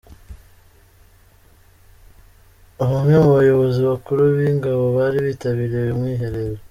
Bamwe mu bayobozi bakuru b’ingabo bari bitabiriye uyu mwiherero.